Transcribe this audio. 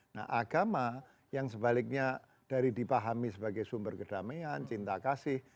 nah agama yang sebaliknya dari dipahami sebagai sumber kedamaian cinta kasih